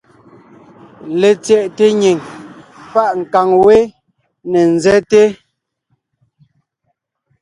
Letsyɛʼte nyìŋ páʼ nkàŋ wé ne ńzɛ́te.